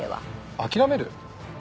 諦める？